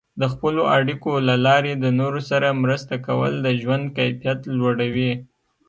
د خپلو اړیکو له لارې د نورو سره مرسته کول د ژوند کیفیت لوړوي.